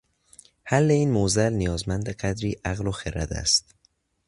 حل این معضل نیازمند قدری عقل و خرد است